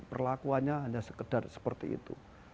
perlakuannya hanya sekedar seperti itu